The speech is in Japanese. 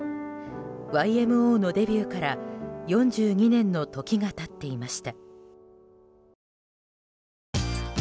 ＹＭＯのデビューから４２年の時が経っていました。